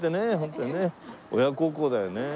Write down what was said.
親孝行だよね。